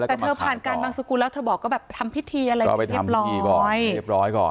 แต่เธอผ่านการบางสกุลแล้วเธอบอกก็แบบทำพิธีอะไรเรียบร้อย